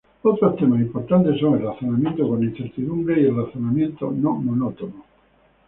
Otros temas importantes son el razonamiento con incertidumbre y el razonamiento no monótono.